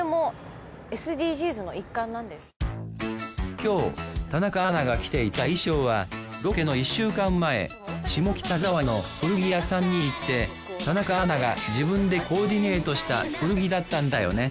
今日田中アナが着ていた衣装はロケの１週間前下北沢の古着屋さんに行って田中アナが自分でコーディネートした古着だったんだよね